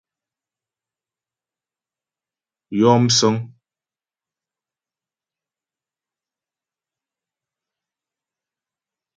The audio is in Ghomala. Yɔ msə̌ŋ.